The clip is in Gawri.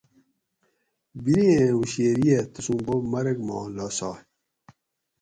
بِریں ہوشیریہ تسوں بوب مرگ ما لاسائے